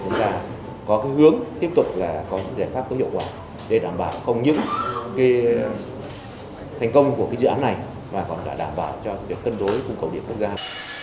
chúng ta có cái hướng tiếp tục là có những giải pháp có hiệu quả để đảm bảo không những cái thành công của cái dự án này mà còn cả đảm bảo cho việc cân đối cung cầu điện quốc gia